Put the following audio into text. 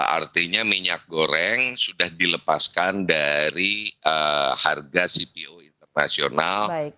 artinya minyak goreng sudah dilepaskan dari harga cpo internasional